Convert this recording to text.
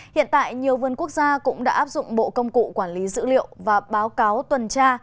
hiện tại nhiều vườn quốc gia cũng đã áp dụng bộ công cụ quản lý dữ liệu và báo cáo tuần tra